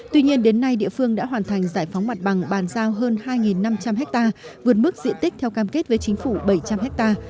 tuy nhiên đến nay địa phương đã hoàn thành giải phóng mặt bằng bàn giao hơn hai năm trăm linh ha vượt mức diện tích theo cam kết với chính phủ bảy trăm linh ha